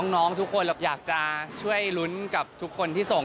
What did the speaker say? น้องทุกคนแบบอยากจะช่วยลุ้นกับทุกคนที่ส่ง